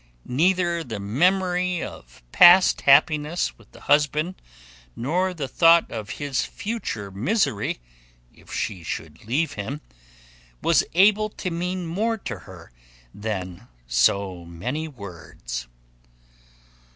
Neither the memory of past happiness with the husband nor the thought of his future misery if she should leave him was able to mean more to her than so many words.